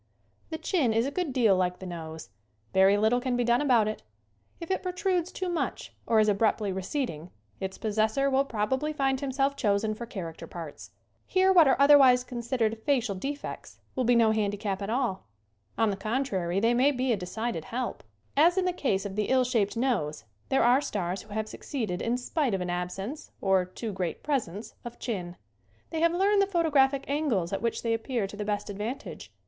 The chin is a good deal like the nose. Very little can be done about it. If it protrudes too much, or is abruptly receding, its possessor will probably find himself chosen for character parts. Here what are otherwise considered facial defects will be no handicap at all. On the contrary they may be a decided help. 64 SCREEN ACTING As in the case of the ill shaped nose there are stars who have succeeded in spite of an absence, or too great presence, of chin. They have learned the photographic angles at which they appear to the best advantage.